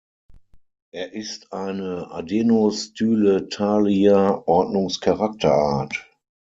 Er ist eine Adenostyletalia-Ordnungscharakterart.